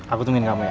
aku tungguin kamu ya